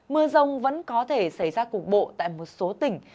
mưa rông vẫn có thể xảy ra cục bộ tại một số tỉnh